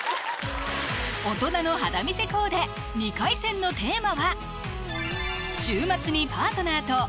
大人の肌見せコーデ２回戦のテーマはあっ